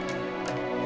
aku saja pengen kacha